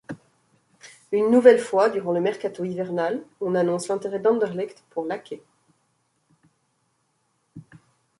Une nouvelle fois, durant le mercato hivernal, on annonce l'intérêt d'Anderlecht pour Laquait.